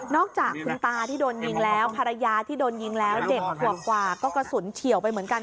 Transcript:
อกจากคุณตาที่โดนยิงแล้วภรรยาที่โดนยิงแล้วเด็กขวบกว่าก็กระสุนเฉียวไปเหมือนกัน